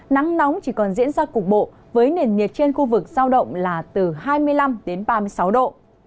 nắng nóng chỉ còn diễn ra cục bộ với nền nhiệt trên khu vực giao động là từ hai mươi năm đến ba mươi sáu độ